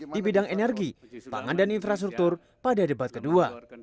di bidang energi pangan dan infrastruktur pada debat kedua